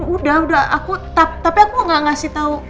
udah udah aku top tapi aku gak ngasih tau